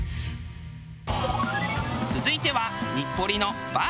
続いては。